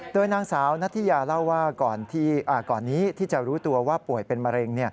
โดยนางสาวนัทยาเล่าว่าก่อนนี้ที่จะรู้ตัวว่าป่วยเป็นมะเร็ง